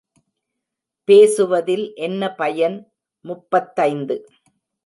பேசுவதில் என்ன பயன் முப்பத்தைந்து.